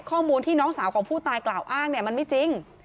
ข้อมูลที่น้องสาวของผู้ตายกล่าวอ้างเนี่ยมันไม่จริง